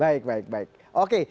baik baik baik oke